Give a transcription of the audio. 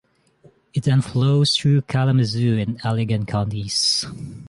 It then flows through Kalamazoo and Allegan counties.